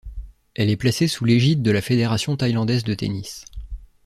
Elle est placée sous l'égide de la Fédération thaïlandaise de tennis.